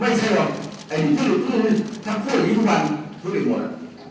ไม่ใช่ว่าทางเพื่อนอีกทุกวันทุกอย่างหมด